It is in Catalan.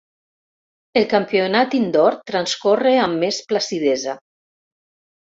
El campionat "indoor" transcorre amb més placidesa.